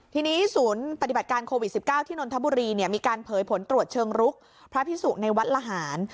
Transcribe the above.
ทีนี้ศูนย์ปฏิบัติการโควิด๑๙ที่นนทบุรีมีการเผยผลตรวจเชิงรุกพระพิสุในวัดละหาร